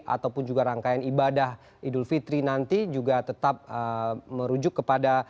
ataupun juga rangkaian ibadah idul fitri nanti juga tetap merujuk kepada